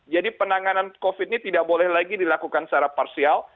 penanganan covid ini tidak boleh lagi dilakukan secara parsial